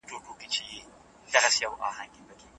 نجلۍ د زوم د کورنۍ له دودونو څخه ناخبره وه.